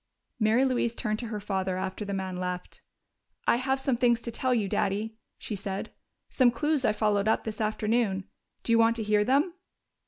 Mary Louise turned to her father after the man left. "I have some things to tell you, Daddy," she said. "Some clues I followed up this afternoon. Do you want to hear them?"